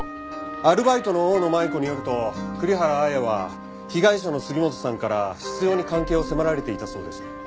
アルバイトの大野麻衣子によると栗原綾は被害者の杉本さんから執拗に関係を迫られていたそうです。